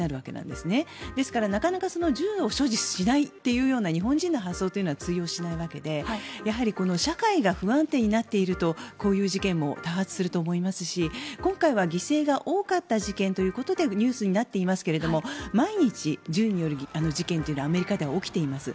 ですから、なかなか銃を所持しないという日本人の発想というのは通用しないわけでやはり社会が不安定になっているとこういう事件も多発すると思いますし今回は犠牲が多かった事件ということでニュースになっていますが毎日、銃による事件というのはアメリカでは起きています。